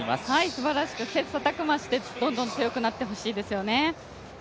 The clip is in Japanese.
すばらしく切磋琢磨してどんどん強くなってほしいですよね。